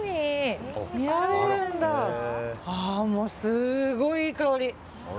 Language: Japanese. すごいいい香り。